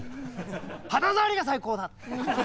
肌触りが最高だ！